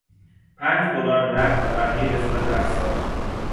پنج دلار نقد و بقیه به صورت اقساط